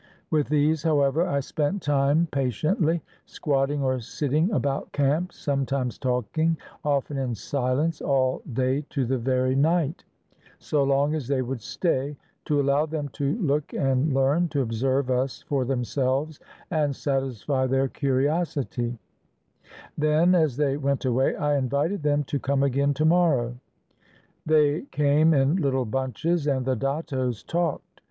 With these, however, I spent time patiently, squatting or sitting about camp, some times talking, often in silence, all day to the very night, so long as they would stay, to allow them to look and learn, to observe us for themselves, and satisfy their curiosity; then, as they went away, I invited them to come again to morrow. They came in little bunches, and the dattos talked.